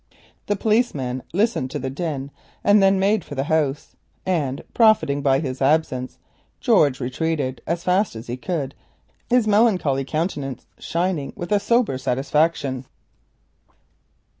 The policeman listened to the din and then made for the house. Profiting by his absence George retreated as fast as he could, his melancholy countenance shining with sober satisfaction.